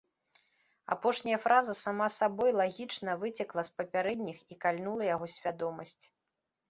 Апошняя фраза сама сабой лагічна выцекла з папярэдніх і кальнула яго свядомасць.